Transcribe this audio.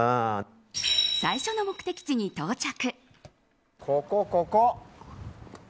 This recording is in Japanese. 最初の目的地に到着。